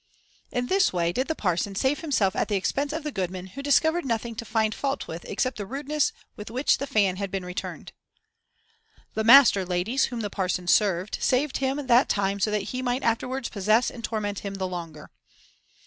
In this way did the parson save himself at the expense of the goodman, who discovered nothing to find fault with except the rudeness with which the fan had been returned. "The master, ladies, whom the parson served, saved him that time so that he might afterwards possess and torment him the longer."